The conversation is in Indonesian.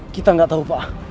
kita gak tau pak